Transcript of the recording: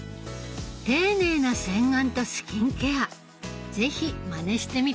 丁寧な洗顔とスキンケア是非まねしてみたいです。